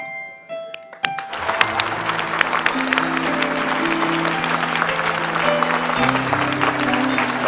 ได้ครับ